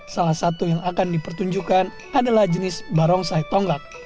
salah satu yang akan dipertunjukkan adalah jenis barongsai tonggak